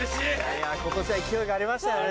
今年は勢いがありましたよね。